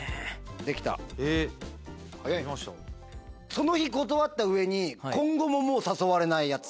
その日断った上に今後ももう誘われないやつ。